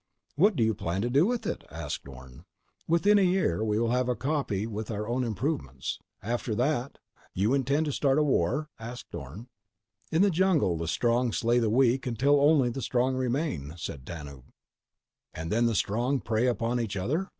"What do you plan to do with it?" asked Orne. "Within a year we will have a copy with our own improvements. After that—" "You intend to start a war?" asked Orne. "In the jungle the strong slay the weak until only the strong remain," said Tanub. "And then the strong prey upon each other?"